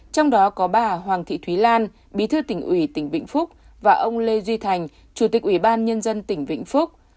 trong đó có bà hoàng thị thúy lan bí thư tỉnh ủy tỉnh vĩnh phúc và ông lê duy thành chủ tịch ủy ban nhân dân tỉnh vĩnh phúc